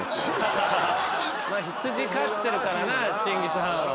羊飼ってるからなチンギス・ハーンは。